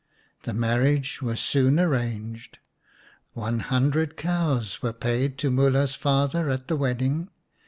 The marriage was soon arranged. One hundred cows were paid to Mulha's father at the wedding.